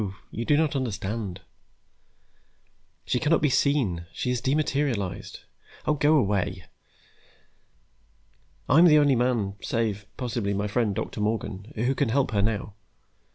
You do not understand. She cannot be seen, she has dematerialized. Oh, go away. I'm the only man, save, possibly, my friend Doctor Morgan, who can help her now.